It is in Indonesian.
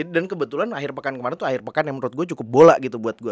dan kebetulan akhir pekan kemarin tuh akhir pekan yang menurut gue cukup bola gitu buat gue